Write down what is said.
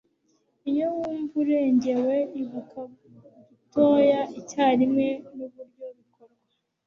Iyo wumva urengewe, ibuka: Gitoya icyarimwe nuburyo bikorwa.